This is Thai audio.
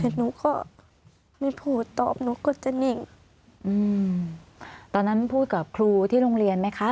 แต่หนูก็ไม่พูดตอบหนูก็จะนิ่งอืมตอนนั้นพูดกับครูที่โรงเรียนไหมคะ